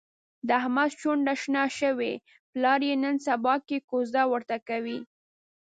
د احمد شونډه شنه شوې، پلار یې نن سباکې کوزده ورته کوي.